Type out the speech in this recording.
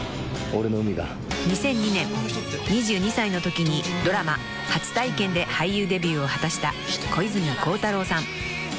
［２００２年２２歳のときにドラマ『初体験』で俳優デビューを果たした小泉孝太郎さん］